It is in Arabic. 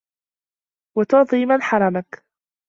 وَتُعْطِيَ مَنْ حَرَمَكَ